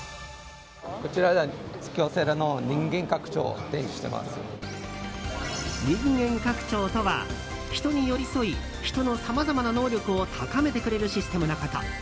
人間拡張とは、人に寄り添い人のさまざまな能力を高めてくれるシステムのこと。